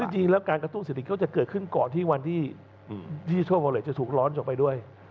ซึ่งจริงแล้วการกระตุ้งเศรษฐก็จะเกิดขึ้นก่อนที่วันที่ช่วงออกเหล็กจะถูกร้อนไปด้วย